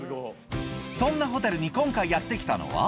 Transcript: そんなホテルに今回やって来たのは。